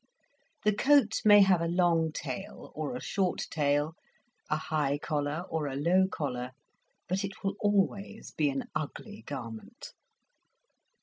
The coat may have a long tail or a short tail, a high collar or a low collar, but it will always be an ugly garment.